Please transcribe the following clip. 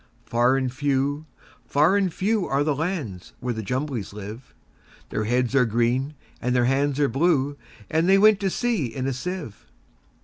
Far and few, far and few, Are the lands where the Jumblies live:Their heads are green, and their hands are blue; And they went to sea in a sieve.